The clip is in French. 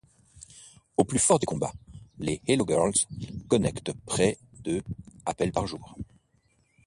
Au plus fort des combats, les Hello Girls connectent près de appels par jour.